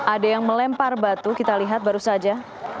ada yang melempar batu kita lihat baru saja